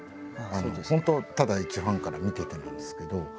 本当ただ一ファンから見ててなんですけど。